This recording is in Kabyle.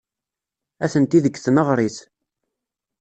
Atenti deg tneɣrit.